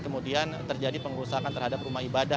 kemudian terjadi pengurusakan terhadap rumah ibadah